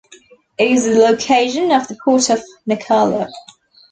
It is the location of the Port of Nacala.